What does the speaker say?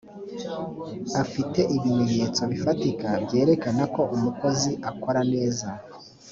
afite ibimenyetso bifatika byerekana ko umukozi akora neza